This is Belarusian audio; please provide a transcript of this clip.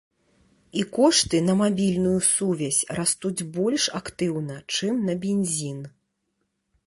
І кошты на мабільную сувязь растуць больш актыўна, чым на бензін.